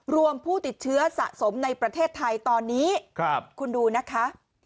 ผู้ติดเชื้อสะสมในประเทศไทยตอนนี้คุณดูนะคะ